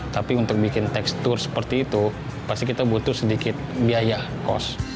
tapi untuk bikin tekstur seperti itu pasti kita butuh sedikit biaya cost